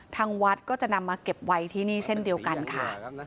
ทางวัดก็จะนำมาเก็บไว้ที่นี่เช่นเดียวกันค่ะ